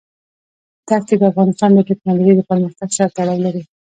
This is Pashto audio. دښتې د افغانستان د تکنالوژۍ د پرمختګ سره تړاو لري.